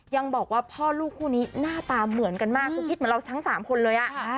ยังบอกว่าพ่อลูกคู่นี้หน้าตาเหมือนกันมากคือคิดเหมือนเราทั้ง๓คนเลย